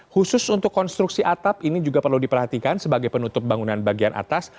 khusus untuk konstruksi atap ini juga perlu diperhatikan sebagai penutup bangunan bagian atas